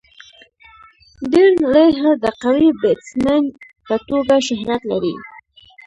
ډیرن لیهر د قوي بيټسمېن په توګه شهرت لري.